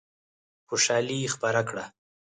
خوشالي خپره کړه.